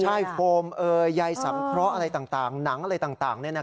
ใช่โฟมใยสังเคราะห์อะไรต่างหนังอะไรต่าง